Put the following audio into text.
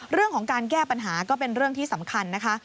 เรื่องของการแก้ปัญหาก็เป็นเรื่องที่สำคัญนะคะ